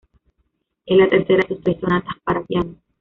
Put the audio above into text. Es la tercera de sus tres sonatas para piano.